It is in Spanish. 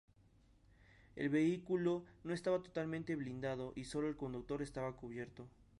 El vehículo no estaba totalmente blindado y solo el conductor estaba a cubierto.